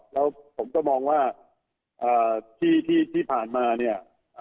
แล้วผมก็มองว่าที่ผ่านมาเนี่ย